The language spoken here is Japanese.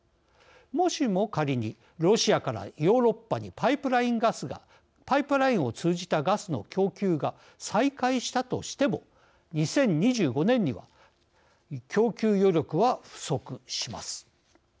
もしも仮にロシアからヨーロッパにパイプラインを通じたガスの供給が再開したとしても２０２５年には供給余力は不足します。